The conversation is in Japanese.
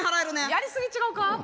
やりすぎ違うか？